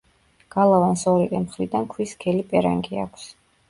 გალავანს ორივე მხრიდან ქვის სქელი პერანგი აქვს.